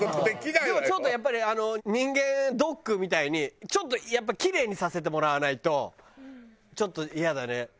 でもちょっとやっぱりあの人間ドックみたいにちょっとやっぱりキレイにさせてもらわないとちょっとイヤだね。